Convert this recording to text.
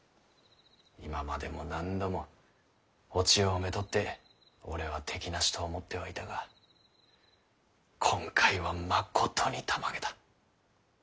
今までも何度もお千代をめとって俺は敵なしと思ってはいたが今回はまことにたまげた。